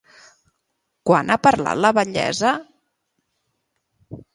Quan ha parlat la batllessa?